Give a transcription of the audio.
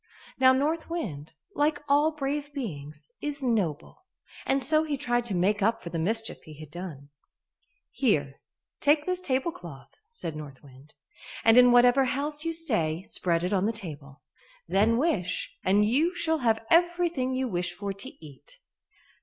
Now North Wind, like all brave beings, is noble, and so he tried to make up for the mischief he had done. "Here, take this tablecloth," said North Wind, "and in whatever house you stay, spread it on the table; then wish, and you shall have everything you wish for to eat."